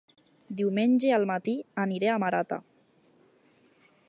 Diumenge al matí aniré a Marata